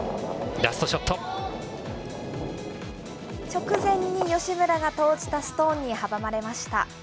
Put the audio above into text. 直前に吉村が投じたストーンに阻まれました。